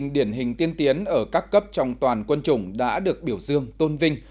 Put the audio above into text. năm điển hình tiên tiến ở các cấp trong toàn quân chủng đã được biểu dương tôn vinh